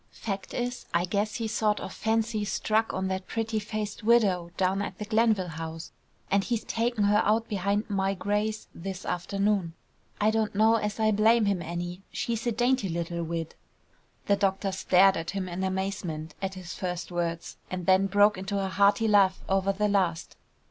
Fact is, I guess he's sort of fancy struck on that pretty faced widow down at the Glenville House, and he's taken her out behind my greys this afternoon. I don't know as I blame him any; she is a dainty little wid." The doctor stared at him in amazement at his first words, and then broke into a hearty laugh over the last.